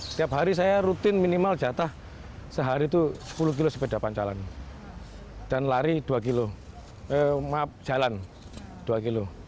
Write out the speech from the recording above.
setiap hari saya rutin minimal jatah sehari itu sepuluh kilo sepeda panjalan dan jalan dua kilo